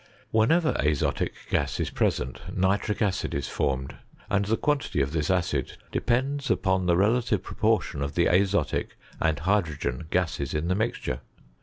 Whenever azotic gM II present, nitric acid is formed, and the quantity of thin acid depends upon the relative proportion of the Rxotic and hydrogen gaaea in the mixture.